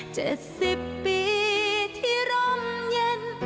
เจ็ดสิบปีที่ร่มเย็น